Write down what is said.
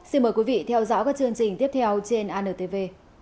xin mời quý vị theo dõi các chương trình tiếp theo trên antv